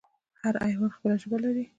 هر حیوان خپله ژبه لري